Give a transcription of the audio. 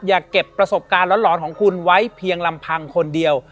เก็บประสบการณ์หลอนของคุณไว้เพียงลำพังคนเดียว